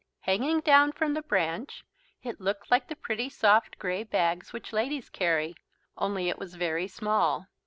Hanging down from the branch, it looked like the pretty soft grey bags which ladies carry, only it was very small.